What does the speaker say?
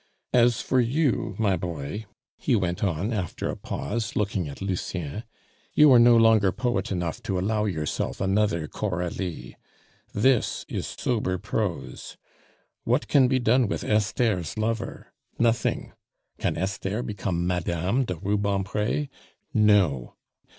As for you, my boy," he went on after a pause, looking at Lucien, "you are no longer poet enough to allow yourself another Coralie. This is sober prose. What can be done with Esther's lover? Nothing. Can Esther become Madame de Rubempre? No.